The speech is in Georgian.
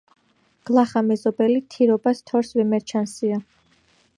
გლახა მეზობელი თირობას თორს ვემერჩანსია.